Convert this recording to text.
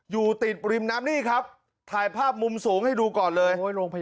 อยู่ติดริมน้ำนี่ครับถ่ายภาพมุมสูงให้ดูก่อนเลย